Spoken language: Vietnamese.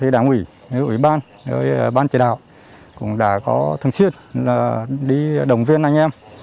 đảng ủy ủy ban đối với ban chỉ đạo cũng đã có thân suốt đi động viên anh em